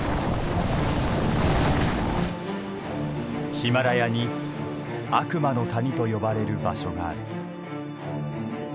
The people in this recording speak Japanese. ヒマラヤに悪魔の谷と呼ばれる場所がある。